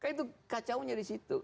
itu kacaunya di situ